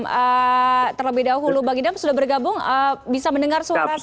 bang idham terlebih dahulu bang idham sudah bergabung bisa mendengar suara saya yang jelas